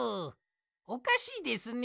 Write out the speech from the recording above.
おかしいですね。